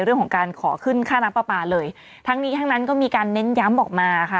เรื่องของการขอขึ้นค่าน้ำปลาปลาเลยทั้งนี้ทั้งนั้นก็มีการเน้นย้ำออกมาค่ะ